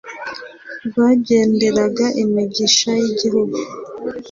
rwagenderaga imigisha y’ibihugu,